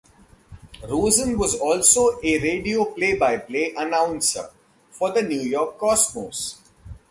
Rosen was also a radio play-by-play announcer for the New York Cosmos.